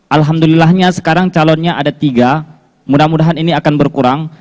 alhamdulillahnya sekarang calonnya ada tiga mudah mudahan ini akan berkurang